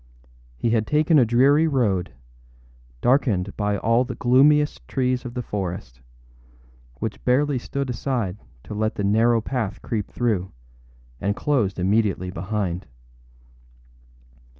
He had taken a dreary road, darkened by all the gloomiest trees of the forest, which barely stood aside to let the narrow path creep through, and closed immediately behind.